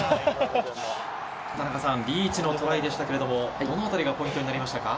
田中さん、リーチのトライでしたけれども、どのあたりがポイントになりましたか？